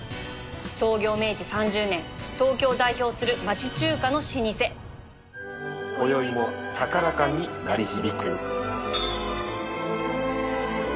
創業明治３０年東京を代表する町中華の老舗こよいも高らかに鳴り響く。